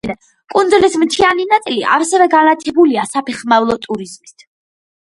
კუნძულის მთიანი ნაწილი ასევე განთქმულია საფეხმავლო ტურიზმით.